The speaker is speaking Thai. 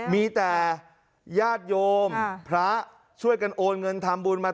มีแต่ญาติโยมพระช่วยกันโอนเงินทำบุญมา